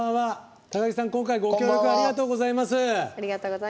高木さん、今回ご協力ありがとうございます。